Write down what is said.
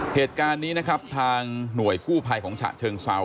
เหตุการณ์นี้นะครับทางหน่วยกู้ภัยของฉะเชิงเซา